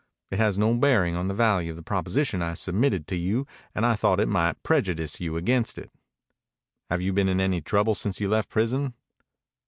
It has no bearing on the value of the proposition I submitted to you, and I thought it might prejudice you against it." "Have you been in any trouble since you left prison?"